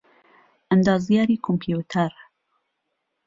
ئەندازیاریی کۆمپیوتەر